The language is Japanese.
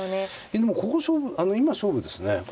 でもここ勝負今勝負ですね。